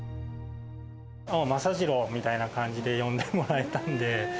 おう、政次郎みたいな感じで呼んでもらえたんで。